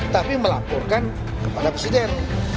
tapi melaporkan kepada presiden